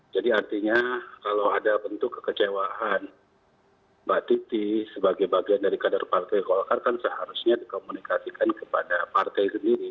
jadi artinya kalau ada bentuk kekecewaan mbak titi sebagai bagian dari kader partai golkar kan seharusnya dikomunikasikan kepada partai sendiri